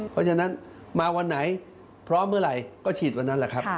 เพราะฉะนั้นมาวันไหนพร้อมเมื่อไหร่ก็ฉีดวันนั้นแหละครับ